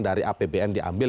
dari apbn diambil